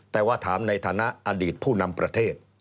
แต่ว่าถามในฐานะอดีตผู้นำประเทศ